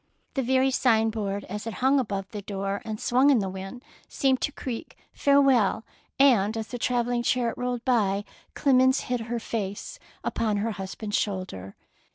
The very sign board as it hung above the door and swung in the wind seemed to creak '^farewell/' and as the travelling chariot rolled by, Clemence hid her face upon her husband's shoulder.